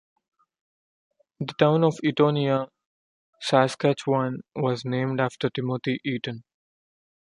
The town of Eatonia, Saskatchewan was named after Timothy Eaton.